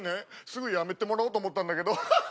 すぐ辞めてもらおうと思ったんだけど。